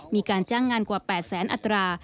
มีการจ้างงานกว่า๘แสนอัตรา